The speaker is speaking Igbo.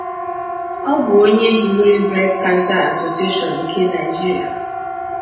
O bu onye hiwere Breast Cancer Association nke Naijiria.